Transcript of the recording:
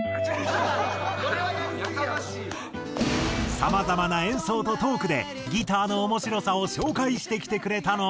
さまざまな演奏とトークでギターの面白さを紹介してきてくれたのだが。